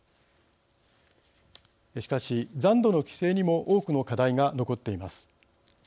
しかし残土の規制にも多くの課題が残っています。